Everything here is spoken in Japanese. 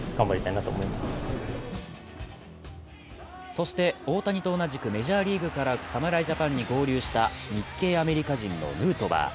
そして、大谷と同じくメジャーリーグから侍ジャパンに合流した日系アメリカ人のヌートバー。